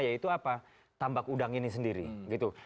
yaitu apa tambak udang ini sendiri gitu